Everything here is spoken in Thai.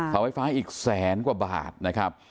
เสาไฟฟ้าอีกแสนกว่าบาทนะครับ